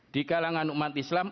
di kalangan umat islam